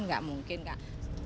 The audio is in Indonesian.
nggak mungkin kak